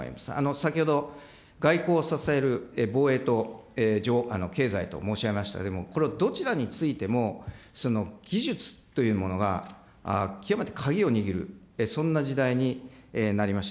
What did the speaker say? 先ほど、外交を支える防衛と経済と申し上げましたけれども、これ、どちらについても技術というものが、極めて鍵を握る、そんな時代になりました。